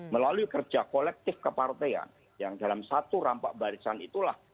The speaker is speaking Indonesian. melalui kerja kolektif kepartean yang dalam satu rampak barisan itulah